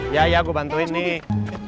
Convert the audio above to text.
ya ya aku bantuin nih